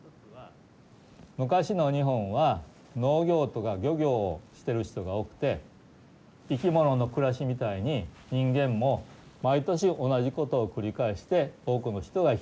昔の日本は農業とか漁業をしてる人が多くて生き物の暮らしみたいに人間も毎年同じことを繰り返して多くの人が生きていました。